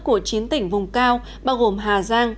của chín tỉnh vùng cao bao gồm hà giang